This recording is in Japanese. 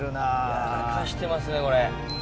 やらかしてますねこれ。